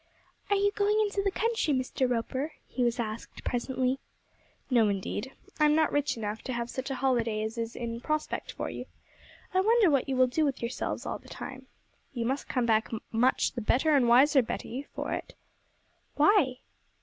'Are you going into the country, Mr. Roper?' he was asked presently. 'No, indeed. I am not rich enough to have such a holiday as is in prospect for you. I wonder what you will do with yourselves all the time? You must come back much the better and wiser, Betty, for it.' 'Why?'